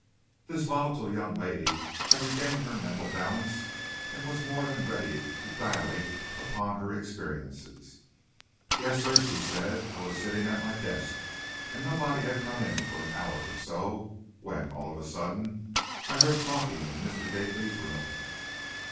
This volatile young lady had regained her mental balance, and was more than ready to dilate upon her experiences. "Yes, sir," she said, "I was sitting at my desk, and nobody had come in for an hour or so, when, all of a sudden, I heard talking in Mr. Gately's room."